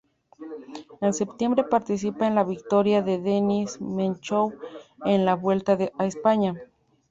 En septiembre, participa en la victoria de Denis Menchov en la Vuelta a España.